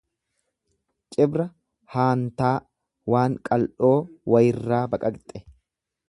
Cibra haantaa, waan qal'oo wayirraa baqaqxe.